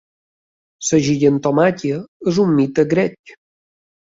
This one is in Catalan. La gigantomàquia és un mite grec.